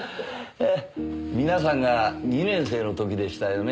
皆さんが２年生の時でしたよね。